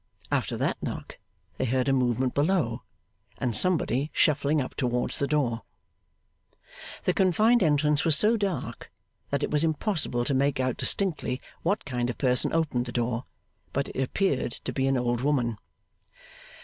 After that knock they heard a movement below, and somebody shuffling up towards the door. The confined entrance was so dark that it was impossible to make out distinctly what kind of person opened the door; but it appeared to be an old woman.